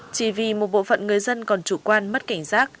chỉ vì một bộ phận người dân còn chủ quan mất cảnh giác